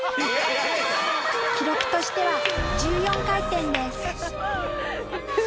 記録としては１４回転です。